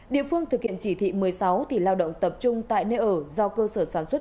địa phương thực hiện chỉ thị một mươi sáu thì lao động tập trung tại nơi ở do cơ sở sản xuất